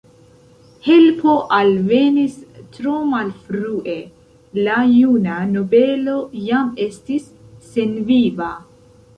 Helpo alvenis tro malfrue; la juna nobelo jam estis senviva.